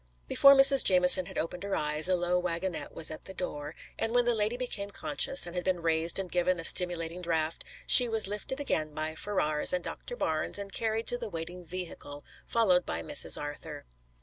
Before Mrs. Jamieson had opened her eyes a low wagonette was at the door, and when the lady became conscious and had been raised and given a stimulating draught, she was lifted again by Ferrars and Doctor Barnes and carried to the waiting vehicle, followed by Mrs. Arthur.